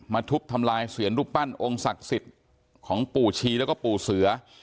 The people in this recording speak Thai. ทุบทำลายเสียรรูปปั้นองค์ศักดิ์สิทธิ์ของปู่ชีแล้วก็ปู่เสือ